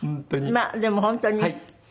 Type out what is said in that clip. まあでも本当に。